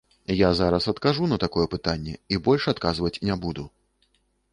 Я зараз адкажу на такое пытанне, і больш адказваць не буду.